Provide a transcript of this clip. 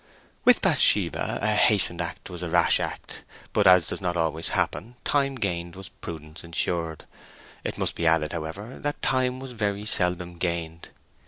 With Bathsheba a hastened act was a rash act; but, as does not always happen, time gained was prudence insured. It must be added, however, that time was very seldom gained.